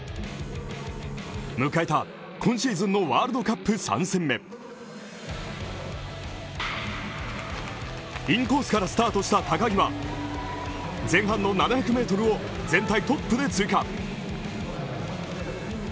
迎えた今シーズンのワールドカップ３戦目インコースからスタートした高木は、前半の７００ｍを全体トップで通過。